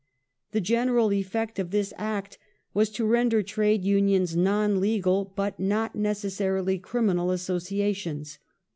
^ The general effect of this Act was to render Trade Unions non legal but not necessarily criminal associations.